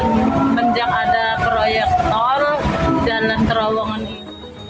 sejak ada proyek tol jalan terowongan ini